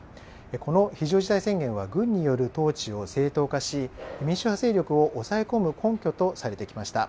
この非常事態宣言は軍による統治を正当化し民主化勢力を抑え込む根拠とされてきました。